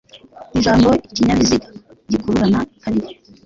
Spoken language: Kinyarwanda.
Ijambo "ikinyabiziga gikururana kabiri"